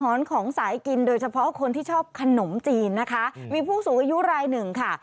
อนของสายกินโดยเฉพาะคนที่ชอบขนมจีนนะคะมีผู้สูงอายุรายหนึ่งค่ะ